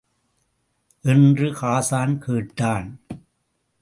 என்று ஹாஸான் கேட்டான்.